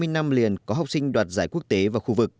hai mươi năm liền có học sinh đoạt giải quốc tế và khu vực